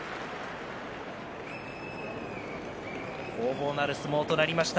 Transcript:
攻防のある相撲となりました。